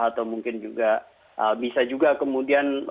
atau mungkin juga bisa juga kemudian